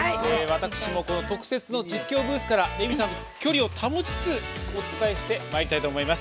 私も特設の実況ブースからレミさんと距離を保ちつつお伝えしてまいりたいと思います。